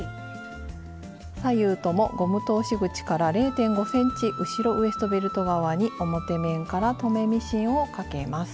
左右ともゴム通し口から０．５ｃｍ後ろウエストベルト側に表面から留めミシンをかけます。